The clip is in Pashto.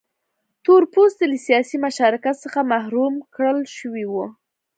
تور پوستي له سیاسي مشارکت څخه محروم کړل شوي وو.